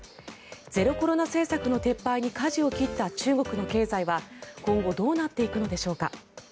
ゼロコロナ政策の撤廃にかじを切った中国の経済は今後どうなっていくのでしょうか。